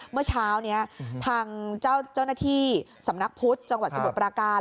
เมื่อเช้านี้ทางเจ้าหน้าที่สำนักพุทธจังหวัดสมุทรปราการ